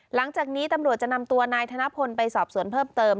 หลังจากนี้ตำรวจจะนำตัวนายธนพลไปสอบสวนเพิ่มเติม